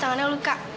jangan tahu ikut